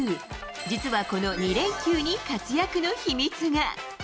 実はこの２連休に、活躍の秘密が。